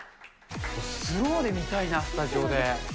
スローで見たいな、スタジオで。